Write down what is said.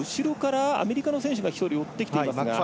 アメリカの選手が１人追ってきていますが。